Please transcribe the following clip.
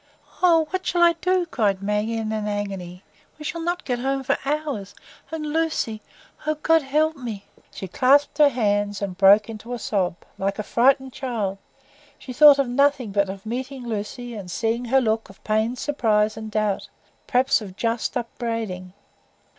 "Oh, what shall I do?" cried Maggie, in an agony. "We shall not get home for hours, and Lucy? O God, help me!" She clasped her hands and broke into a sob, like a frightened child; she thought of nothing but of meeting Lucy, and seeing her look of pained surprise and doubt, perhaps of just upbraiding.